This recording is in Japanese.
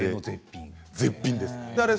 絶品です。